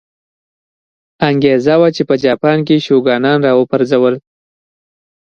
انګېزه وه چې په جاپان کې یې شوګانان را وپرځول.